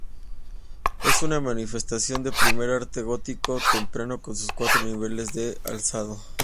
Es una manifestación del primer arte gótico temprano con sus cuatro niveles en alzado.